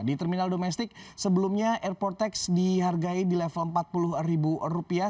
di terminal domestik sebelumnya airport tax dihargai di level empat puluh ribu rupiah